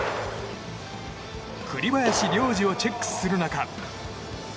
栗林良吏をチェックする中。